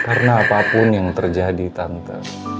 karena apapun yang terjadi tante